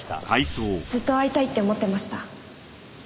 ずっと会いたいって思ってました。